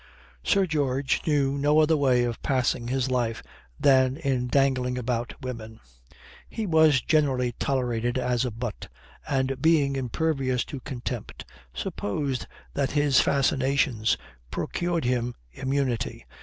Sir George knew no other way of passing his life than in dangling about women. He was generally tolerated as a butt, and being impervious to contempt, supposed that his fascinations procured him immunity.